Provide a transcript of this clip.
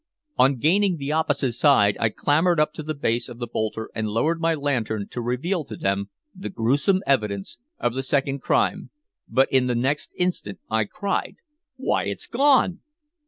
On gaining the opposite side I clambered up to the base of the boulder and lowered my lantern to reveal to them the gruesome evidence of the second crime, but the next instant I cried "Why! It's gone!"